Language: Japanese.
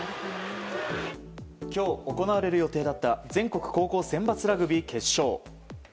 今日、行われる予定だった全国高校選抜ラグビー決勝。